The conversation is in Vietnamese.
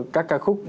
các ca khúc